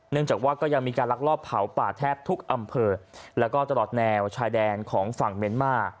จากว่าก็ยังมีการลักลอบเผาป่าแทบทุกอำเภอแล้วก็ตลอดแนวชายแดนของฝั่งเมียนมา